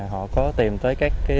họ có tìm tới các